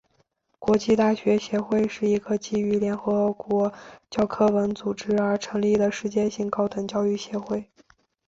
国际大学协会是一个基于联合国教科文组织而成立的世界性高等教育协会。